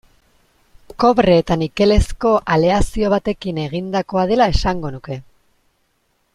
Kobre eta nikelezko aleazio batekin egindakoa dela esango nuke.